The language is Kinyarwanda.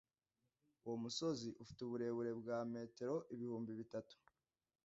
Uwo musozi ufite uburebure bwa metero ibihumbi bitatu.